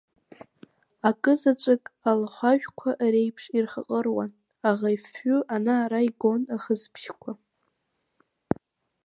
Акызаҵәык алаҳәажәқәа реиԥш ирхаҟыруан аӷа ифҩы, ана-ара игон ахысбжьқәа.